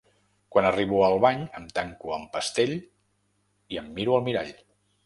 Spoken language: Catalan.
Quan arribo al bany em tanco amb pestell i em miro al mirall.